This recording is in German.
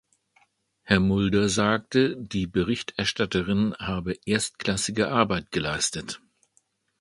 Herr Mulder sagte, die Berichterstatterin habe erstklassige Arbeit geleistet.